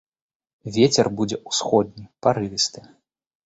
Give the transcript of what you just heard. Вецер будзе ўсходні, парывісты.